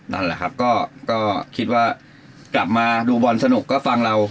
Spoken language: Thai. นั่นแหละครับก็คิดว่ากลับมาดูบอลสนุกก็ฟังเรา